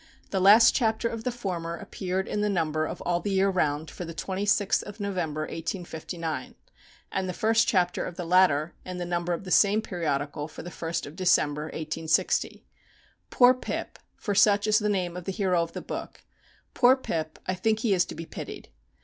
The last chapter of the former appeared in the number of All the Year Round for the 26th of November, 1859, and the first chapter of the latter in the number of the same periodical for the 1st of December, 1860. Poor Pip for such is the name of the hero of the book poor Pip, I think he is to be pitied.